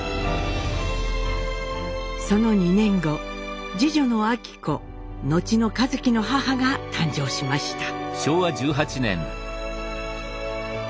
その２年後次女の昭子後の一輝の母が誕生しました。